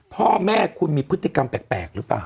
พ่อแม่คุณมีพฤติกรรมแปลกหรือเปล่า